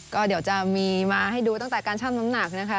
ก็เดี๋ยวจะมีมาให้ดูตั้งแต่การชั่งน้ำหนักนะคะ